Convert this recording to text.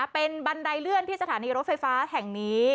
เป็นบันไดเลื่อนที่สถานีรถไฟฟ้าแห่งนี้